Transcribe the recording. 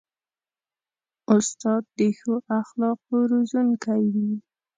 استاد د ښو اخلاقو روزونکی وي.